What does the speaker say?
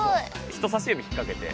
人さし指引っかけて。